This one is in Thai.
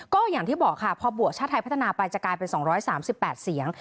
ก็อย่างที่บอกค่ะพอบวกชาติไทยพัฒนาไปจะกลายเป็น๒๓๘เสียง